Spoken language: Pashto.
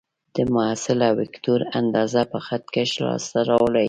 د محصله وکتور اندازه په خط کش لاس ته راوړئ.